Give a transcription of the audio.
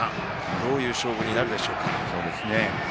どういう勝負になるでしょうか。